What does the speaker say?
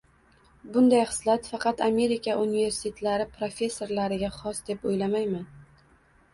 Bunday xislat faqat Amerika universitetlari professorlariga xos, deb o‘ylamayman